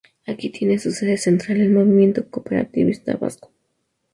Aquí tiene su sede central el movimiento cooperativista vasco.